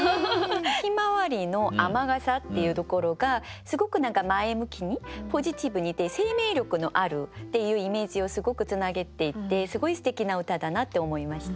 「ヒマワリの雨傘」っていうところがすごく何か前向きにポジティブで生命力のあるっていうイメージをすごくつなげていてすごいすてきな歌だなって思いました。